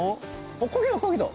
あっかけたかけた。